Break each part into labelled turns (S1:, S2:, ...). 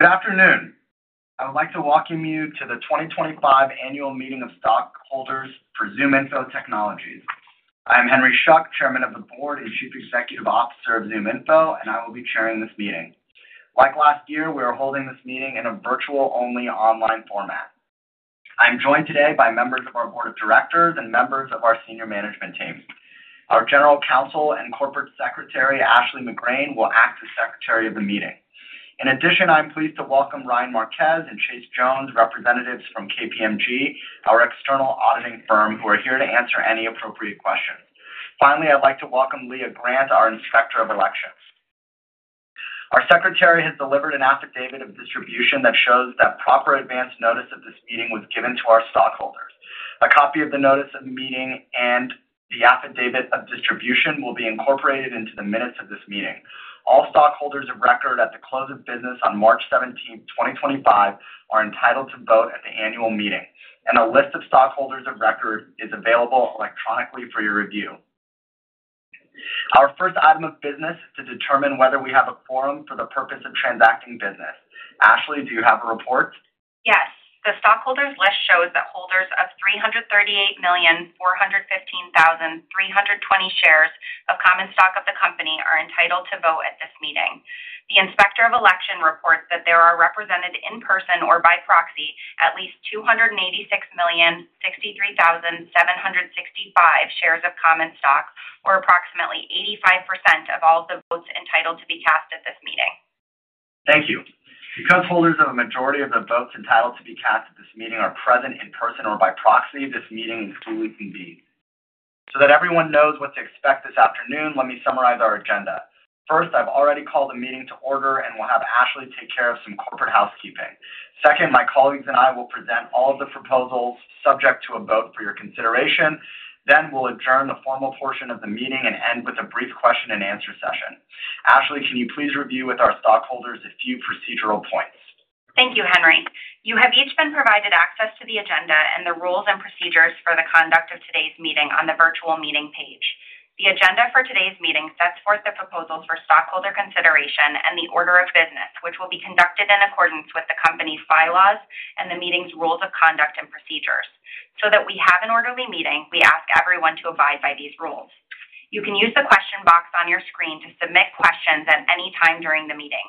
S1: Good afternoon. I would like to welcome you to the 2025 Annual Meeting of Stockholders for ZoomInfo Technologies. I am Henry Schuck, Chairman of the Board and Chief Executive Officer of ZoomInfo, and I will be chairing this meeting. Like last year, we are holding this meeting in a virtual-only online format. I am joined today by members of our Board of Directors and members of our Senior Management Team. Our General Counsel and Corporate Secretary, Ashley McGrane, will act as Secretary of the Meeting. In addition, I am pleased to welcome Ryan Marquez and Chase Jones, representatives from KPMG, our external auditing firm, who are here to answer any appropriate questions. Finally, I'd like to welcome Leah Grant, our Inspector of Elections. Our Secretary has delivered an affidavit of distribution that shows that proper advance notice of this meeting was given to our stockholders. A copy of the notice of the meeting and the affidavit of distribution will be incorporated into the minutes of this meeting. All stockholders of record at the close of business on March 17, 2025, are entitled to vote at the Annual Meeting, and a list of stockholders of record is available electronically for your review. Our first item of business is to determine whether we have a quorum for the purpose of transacting business. Ashley, do you have a report?
S2: Yes. The stockholders' list shows that holders of 338,415,320 shares of common stock of the company are entitled to vote at this meeting. The Inspector of Election reports that there are represented in person or by proxy at least 286,063,765 shares of common stock, or approximately 85% of all the votes entitled to be cast at this meeting.
S1: Thank you. Because holders of a majority of the votes entitled to be cast at this meeting are present in person or by proxy, this meeting is exclusively convened. So that everyone knows what to expect this afternoon, let me summarize our agenda. First, I've already called the meeting to order and will have Ashley take care of some corporate housekeeping. Second, my colleagues and I will present all of the proposals subject to a vote for your consideration. Then we'll adjourn the formal portion of the meeting and end with a brief question-and-answer session. Ashley, can you please review with our stockholders a few procedural points?
S2: Thank you, Henry. You have each been provided access to the agenda and the rules and procedures for the conduct of today's meeting on the virtual meeting page. The agenda for today's meeting sets forth the proposals for stockholder consideration and the order of business, which will be conducted in accordance with the company's bylaws and the meeting's rules of conduct and procedures. So that we have an orderly meeting, we ask everyone to abide by these rules. You can use the question box on your screen to submit questions at any time during the meeting.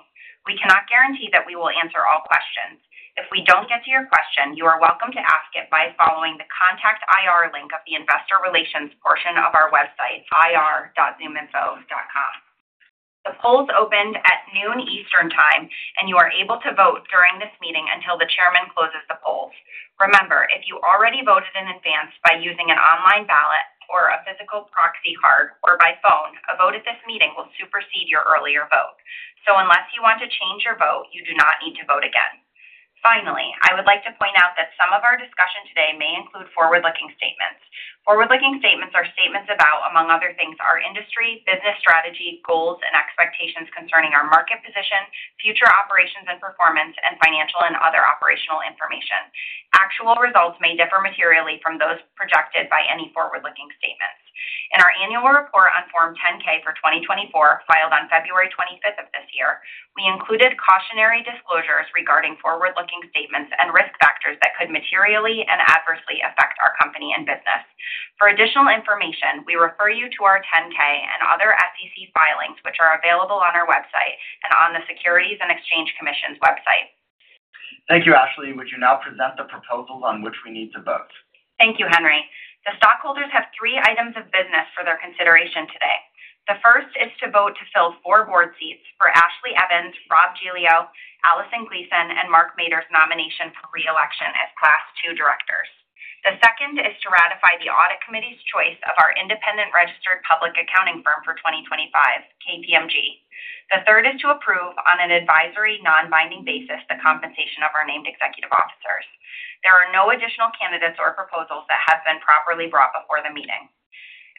S2: We cannot guarantee that we will answer all questions. If we don't get to your question, you are welcome to ask it by following the Contact IR link of the Investor Relations portion of our website, ir-zoominfo.com. The polls opened at noon Eastern time, and you are able to vote during this meeting until the Chairman closes the polls. Remember, if you already voted in advance by using an online ballot or a physical proxy card or by phone, a vote at this meeting will supersede your earlier vote. So unless you want to change your vote, you do not need to vote again. Finally, I would like to point out that some of our discussion today may include forward-looking statements. Forward-looking statements are statements about, among other things, our industry, business strategy, goals, and expectations concerning our market position, future operations and performance, and financial and other operational information. Actual results may differ materially from those projected by any forward-looking statements. In our annual report on Form 10-K for 2024, filed on February 25 of this year, we included cautionary disclosures regarding forward-looking statements and risk factors that could materially and adversely affect our company and business. For additional information, we refer you to our 10-K and other SEC filings, which are available on our website and on the U.S. Securities and Exchange Commission's website.
S1: Thank you, Ashley. Would you now present the proposals on which we need to vote?
S2: Thank you, Henry. The stockholders have three items of business for their consideration today. The first is to vote to fill four board seats for Ashley Evans, Rob Giglio, Alyssa Gleeson, and Mark Matern's nomination for re-election as Class 2 directors. The second is to ratify the audit committee's choice of our independent registered public accounting firm for 2025, KPMG. The third is to approve, on an advisory non-binding basis, the compensation of our named executive officers. There are no additional candidates or proposals that have been properly brought before the meeting.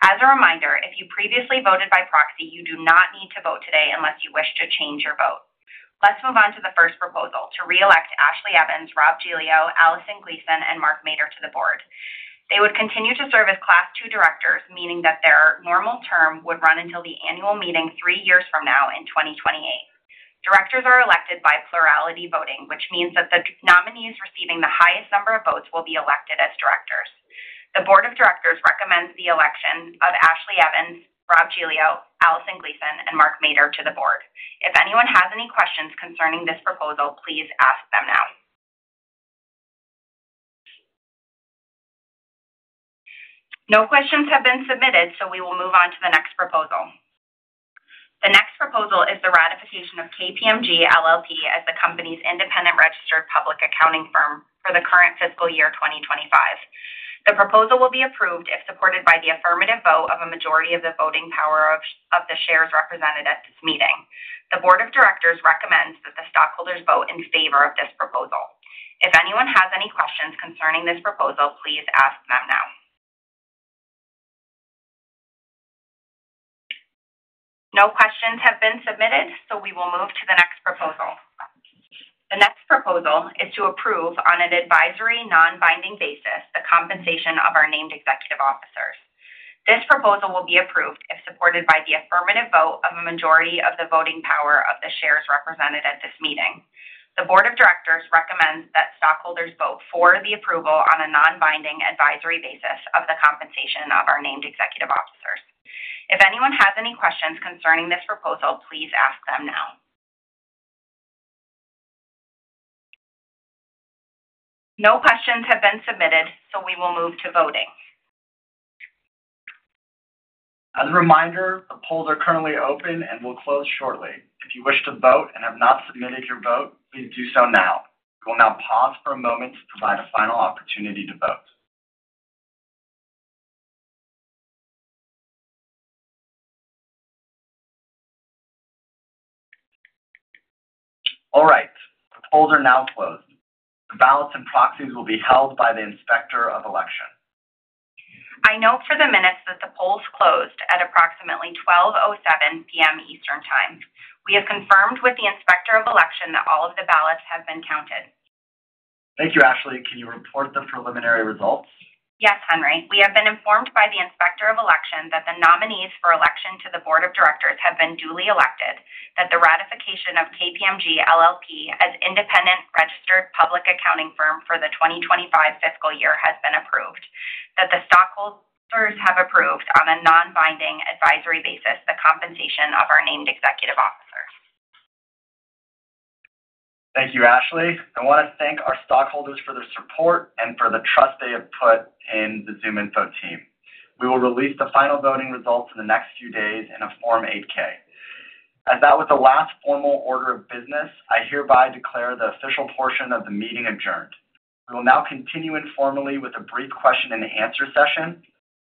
S2: As a reminder, if you previously voted by proxy, you do not need to vote today unless you wish to change your vote. Let's move on to the first proposal: to re-elect Ashley Evans, Rob Giglio, Alyssa Gleeson, and Mark Matern to the board. They would continue to serve as Class 2 directors, meaning that their normal term would run until the annual meeting three years from now in 2028. Directors are elected by plurality voting, which means that the nominees receiving the highest number of votes will be elected as directors. The Board of Directors recommends the election of Ashley Evans, Rob Giglio, Alyssa Gleeson, and Mark Matern to the board. If anyone has any questions concerning this proposal, please ask them now. No questions have been submitted, so we will move on to the next proposal. The next proposal is the ratification of KPMG LLP as the company's independent registered public accounting firm for the current fiscal year 2025. The proposal will be approved if supported by the affirmative vote of a majority of the voting power of the shares represented at this meeting. The Board of Directors recommends that the stockholders vote in favor of this proposal. If anyone has any questions concerning this proposal, please ask them now. No questions have been submitted, so we will move to the next proposal. The next proposal is to approve, on an advisory non-binding basis, the compensation of our named executive officers. This proposal will be approved if supported by the affirmative vote of a majority of the voting power of the shares represented at this meeting. The Board of Directors recommends that stockholders vote for the approval on a non-binding advisory basis of the compensation of our named executive officers. If anyone has any questions concerning this proposal, please ask them now. No questions have been submitted, so we will move to voting.
S1: As a reminder, the polls are currently open and will close shortly. If you wish to vote and have not submitted your vote, please do so now. We will now pause for a moment to provide a final opportunity to vote. All right. The polls are now closed. The ballots and proxies will be held by the Inspector of Election.
S2: I note for the minutes that the polls closed at approximately 12:07 P.M. Eastern time. We have confirmed with the Inspector of Election that all of the ballots have been counted.
S1: Thank you, Ashley. Can you report the preliminary results?
S2: Yes, Henry. We have been informed by the Inspector of Election that the nominees for election to the Board of Directors have been duly elected, that the ratification of KPMG LLP as independent registered public accounting firm for the 2025 fiscal year has been approved, that the stockholders have approved on a non-binding advisory basis the compensation of our named executive officers.
S1: Thank you, Ashley. I want to thank our stockholders for their support and for the trust they have put in the ZoomInfo team. We will release the final voting results in the next few days in a Form 8-K. As that was the last formal order of business, I hereby declare the official portion of the meeting adjourned. We will now continue informally with a brief question-and-answer session.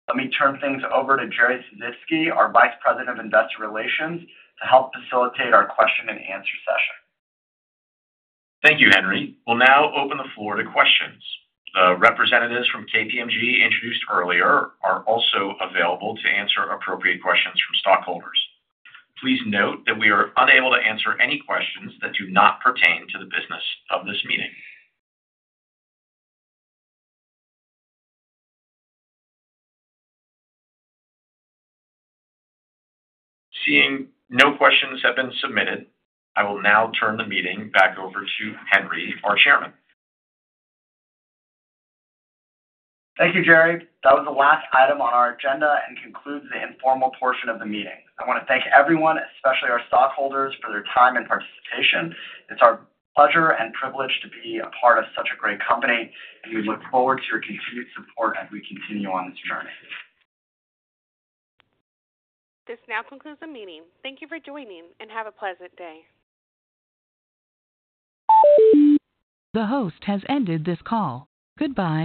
S1: Let me turn things over to Jerry Sisitsky, our Vice President of Investor Relations, to help facilitate our question-and-answer session.
S3: Thank you, Henry. We'll now open the floor to questions. The representatives from KPMG introduced earlier are also available to answer appropriate questions from stockholders. Please note that we are unable to answer any questions that do not pertain to the business of this meeting. Seeing no questions have been submitted, I will now turn the meeting back over to Henry, our Chairman.
S1: Thank you, Jerry. That was the last item on our agenda and concludes the informal portion of the meeting. I want to thank everyone, especially our stockholders, for their time and participation. It's our pleasure and privilege to be a part of such a great company, and we look forward to your continued support as we continue on this journey.
S4: This now concludes the meeting. Thank you for joining and have a pleasant day.
S5: The host has ended this call. Goodbye.